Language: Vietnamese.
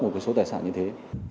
đối với số tài sản như thế